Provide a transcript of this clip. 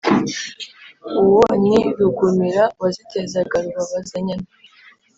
uwo ni rugumira wazitezaga rubabaza-nyana